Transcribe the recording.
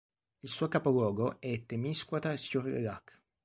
Il suo capoluogo è Témiscouata-sur-le-Lac.